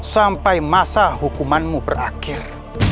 sampai masa hukumanmu berakhir